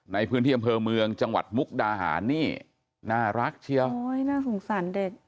ในพื้นที่อำเภอเมืองจังหวัดมุกดาหารนี่น่ารักเชียวโอ้ยน่าสงสารเด็ก